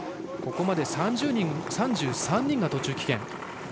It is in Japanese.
ここまで３３人が途中棄権。